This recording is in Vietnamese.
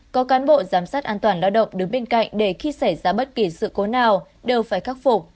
có cán bộ giám sát an toàn lao động đứng bên cạnh để khi xảy ra bất kỳ sự cố nào đều phải khắc phục